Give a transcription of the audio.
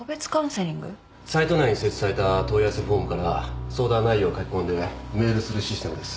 サイト内に設置された問い合わせフォームから相談内容を書き込んでメールするシステムです。